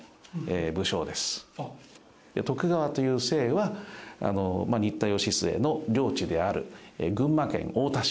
徳川という姓は新田義季の領地である群馬県太田市